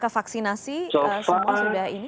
vaksinasi semua sudah ini